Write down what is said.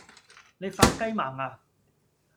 你發雞盲呀